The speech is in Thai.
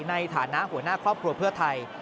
ในฐานะหัวหน้าครอบครัวเพื่อไทย